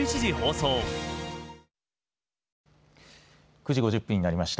９時５０分になりました。